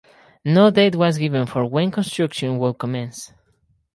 No date was given for when construction would commence.